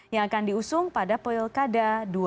yang akan diusung pada poil kada dua ribu tujuh belas